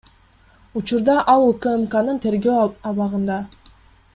Учурда ал УКМКнын тергөө абагында.